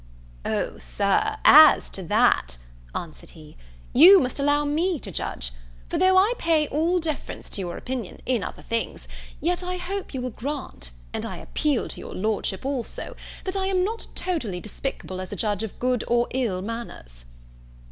"O Sir, as to that," answered he, "you must allow me to judge; for though I pay all deference to your opinion in other things yet I hope you will grant and I appeal to your Lordship also that I am not totally despicable as a judge of good or ill manners."